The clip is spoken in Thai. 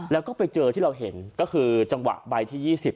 แล้วก็ไปเจอที่เราเห็นก็คือจังหวะใบที่๒๐